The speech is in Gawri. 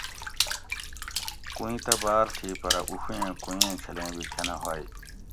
کویٔیں تہ باۤر تھی پرہ اُڛویٔیں کویٔیں ایں چھلیں بی کۤھنہۤ ھوئ